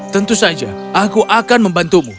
tentu saja aku akan membantumu